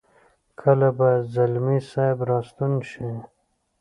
کله به ځلمی صاحب را ستون شي.